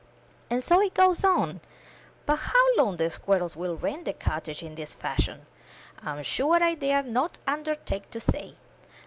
And so it goes on; but how long the squirrels will rent the cottage in this fash ion, I'm sure I dare not undertake to say.